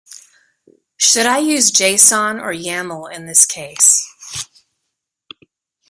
Should I use json or yaml in this case?